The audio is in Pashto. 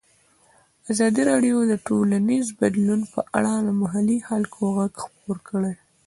ازادي راډیو د ټولنیز بدلون په اړه د محلي خلکو غږ خپور کړی.